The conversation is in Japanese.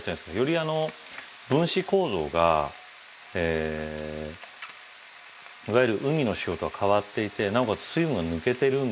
より分子構造がいわゆる海の塩とは変わっていてなおかつ水分が抜けてるんですね。